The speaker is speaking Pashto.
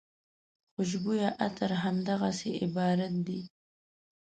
خوشبویه عطر همدغسې عبارت دی.